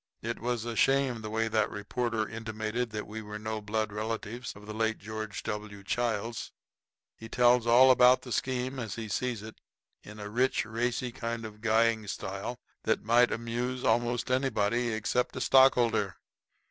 It was a shame the way that reporter intimated that we were no blood relatives of the late George W. Childs. He tells all about the scheme as he sees it, in a rich, racy kind of a guying style that might amuse most anybody except a stockholder.